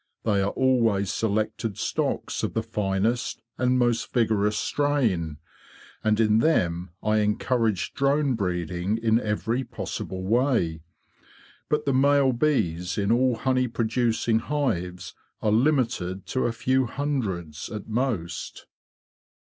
They are always selected stocks of the finest and most vigorous strain, and in them I encourage drone breeding in every possible way. But the male bees in all honey producing hives are limited to a few hundreds at most."